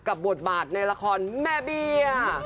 บทบาทในละครแม่เบี้ย